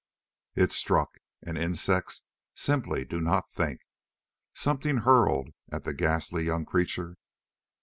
It struck. And insects simply do not think. Something hurtled at the ghastly young creature.